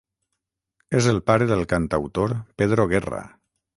És el pare del cantautor Pedro Guerra.